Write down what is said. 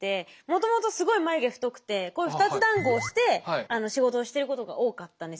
もともとすごい眉毛太くてこういう２つだんごをして仕事をしてることが多かったんですよ。